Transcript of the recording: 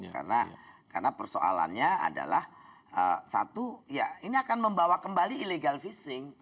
karena persoalannya adalah satu ya ini akan membawa kembali illegal fishing